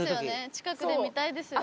近くで見たいですよね。